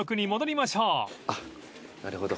あっなるほど。